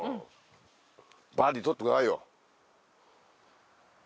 バーディー取ってくださいよ。